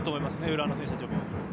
浦和の選手たちも。